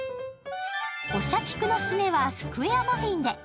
おしゃピクの締めはスクエアマフィンで。